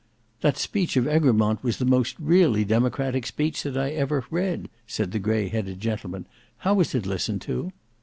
"That speech of Egremont was the most really democratic speech that I ever read," said the grey headed gentleman. "How was it listened to?"